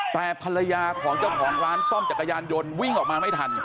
แต่ภรรยาของเจ้าของร้านซ่อมจักรยานยนต์วิ่งออกมาไม่ทัน